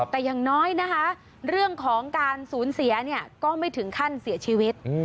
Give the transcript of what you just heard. แต่อย่างน้อยนะคะเรื่องของการสูญเสียเนี่ยก็ไม่ถึงขั้นเสียชีวิต